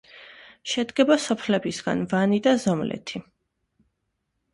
შედგება სოფლებისგან: ვანი და ზომლეთი.